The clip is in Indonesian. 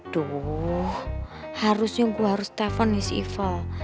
duh harusnya gue harus telfon nih si ival